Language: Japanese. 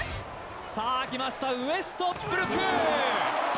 さあ、きました、ウェストブルック！